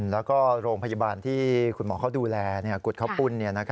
แล้วก็โรงพยาบาลที่คุณหมอเขาดูแลกุดข้าวปุ้น